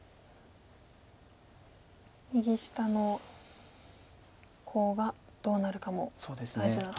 右下のコウがどうなるかも大事なところですね。